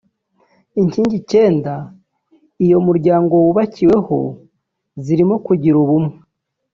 Inkingi icyenda uyu muryango wubakiyeho zirimo kugira ubumwe